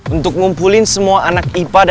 untuk ngumpulin semua alatnya yang ada di dalamnya ini ya